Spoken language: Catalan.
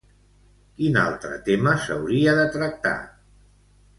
Quin altre tema s'hauria de tractar?